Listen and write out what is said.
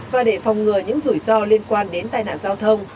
và để phòng ngừa những rủi ro liên quan đến tai nạn giao thông